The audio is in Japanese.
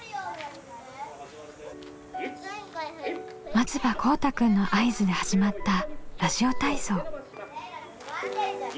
松場こうたくんの合図で始まったラジオ体操。